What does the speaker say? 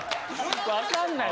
わかんない。